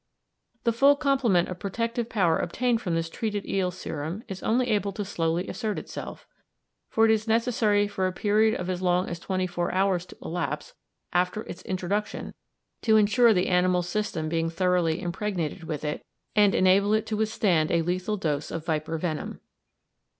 The full complement of protective power obtainable from this treated eel serum is only able to slowly assert itself, for it is necessary for a period of as long as twenty four hours to elapse after its introduction to ensure the animal's system being thoroughly impregnated with it and enable it to withstand a lethal dose of viper venom.